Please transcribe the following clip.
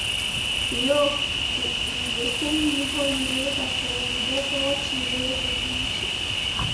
Yoo gudiijo senndi hooyi reeta fowru boo hooci reete huuci.